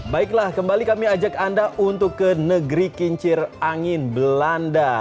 baiklah kembali kami ajak anda untuk ke negeri kincir angin belanda